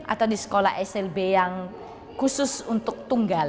atau di sekolah slb yang khusus untuk tunggal